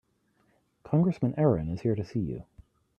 Congressman Aaron is here to see you.